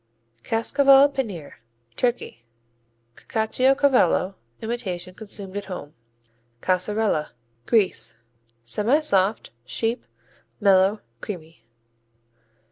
Cascaval Penir Turkey Cacciocavallo imitation consumed at home. Caseralla Greece Semisoft; sheep; mellow; creamy.